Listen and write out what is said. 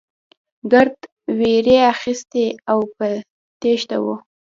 ګرد وېرې اخيستي او په تېښته وو.